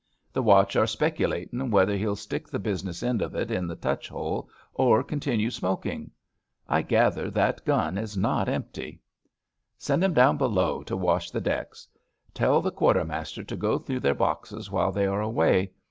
The watch are speculatin' whether he'U stick the busi ness end of it in the touch hole or continue smok ing. I gather that gun is not empty.' * Send 'em down below to wash decks. Tell the quartermas ter to go through their boxes while they are away.